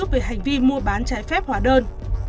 về hành vi mua bán trái phép hỏa đơn